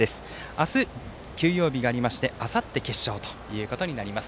明日、休養日があってあさって決勝ということになります。